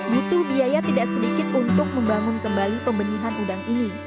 butuh biaya tidak sedikit untuk membangun kembali pembenihan udang ini